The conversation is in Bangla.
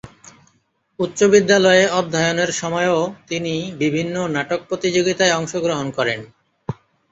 উচ্চ বিদ্যালয়ে অধ্যয়নের সময়ও তিনি বিভিন্ন নাটক প্রতিযোগীতায় অংশ গ্রহণ করেন।